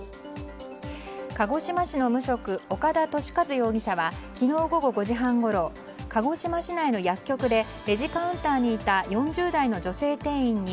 鹿児島市の無職岡田寿一容疑者は昨日午後５時半ごろ鹿児島市内の薬局でレジカウンターにいた４０代の女性店員に